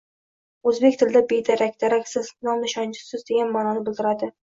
O‘zbek tilida bedarak -daraksiz, nom-nishonsiz degan ma’noni bildiradi.